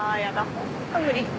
本当無理